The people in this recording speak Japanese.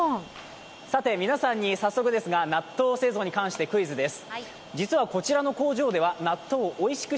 皆さんに早速ですが、納豆製造に関してクイズです。